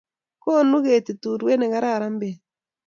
Konu ketit urwet ne kararan bet